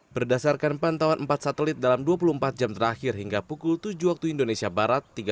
berdasarkan pantauan empat satelit dalam dua puluh empat jam terakhir hingga pukul tujuh waktu indonesia barat